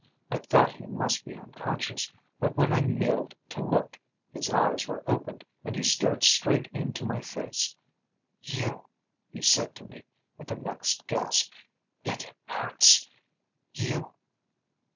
I thought he must be unconscious, but when I kneeled to look, his eyes were opened and he stared straight into my face. 'You ...' he said to me with the next gasp. 'It hurts ... You